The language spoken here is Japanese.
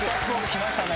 きましたね。